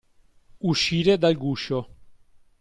Uscire dal guscio.